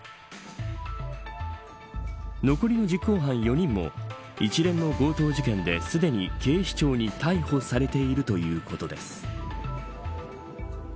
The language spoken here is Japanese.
残りの実行犯４人も一連の強盗事件ですでに警視庁に逮捕されているということです。